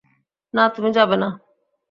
না, তুমি যাবে না।